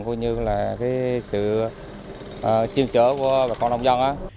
coi như là cái sự chiêm trở của bà con nông dân đó